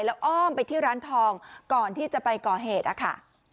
แล้วอ้อมไปที่ร้านทองก่อนที่จะไปก่อเหตุอะค่ะ